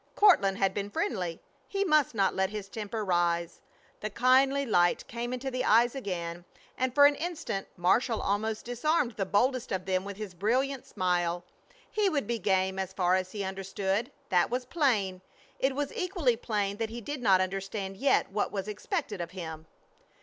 Courtland had been friendly. He must not let his temper rise. The kindly light came into the eyes again, and for an instant Marshall almost disarmed the boldest of them with his brilliant smile. He would be game as far as he understood. That was plain. It was equally plain that he did not understand yet what was expected of him.